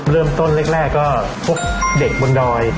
เริ่มต้นแรกก็พวกเด็กบนดอย